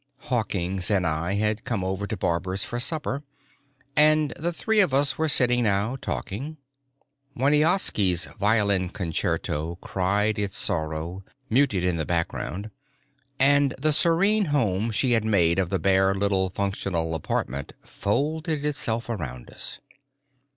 Hawkins and I had come over to Barbara's for supper, and the three of us were sitting now, talking. Wieniawski's Violin Concerto cried its sorrow, muted in the background, and the serene home she had made of the bare little functional apartment folded itself around us.